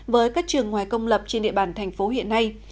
với các trường ngoài công lập trên địa bàn thành phố hiện nay